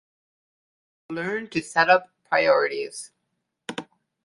Learn to set up priorities.